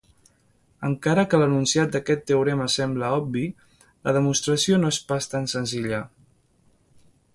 Encara que l'enunciat d'aquest teorema sembla obvi, la demostració no és pas tan senzilla.